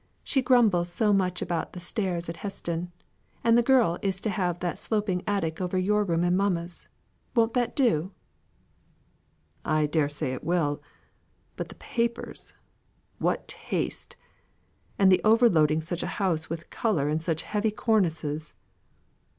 She grumbles so much about the stairs at Heston; and the girl is to have that sloping attic over your room and mamma's. Won't that do?" "I dare say it will. But the papers. What taste! And the over loading such a house with colour and such heavy cornices!"